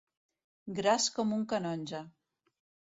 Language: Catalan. Gras com un canonge.